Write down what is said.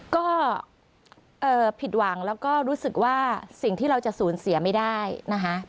ก็ผิดหวังแล้วก็รู้สึกว่าสิ่งที่เราจะสูญเสียไม่ได้นะคะ